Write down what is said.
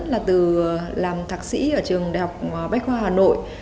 là từ làm thạc sĩ ở trường đại học bách khoa hà nội